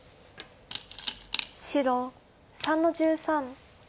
白３の十三。